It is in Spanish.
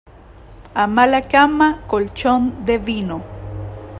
A mala cama, colchón de vino.